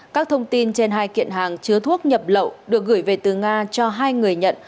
các thông tin trên hai kiện hàng chứa thuốc nhập lậu được gửi về từ nga cho hai người nhận